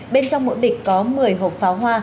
bên trong mỗi bịch có một mươi hộp pháo hoa